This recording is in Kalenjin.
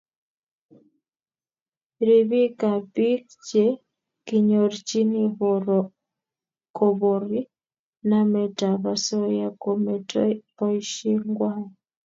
Ribiik ab biik che kinyorchini koborie namet ab asoya ko metoi boishe ngwai